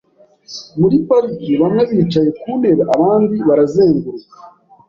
Muri parike, bamwe bicaye ku ntebe, abandi barazenguruka.